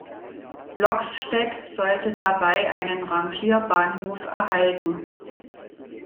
Loxstedt sollte dabei einen Rangierbahnhof erhalten.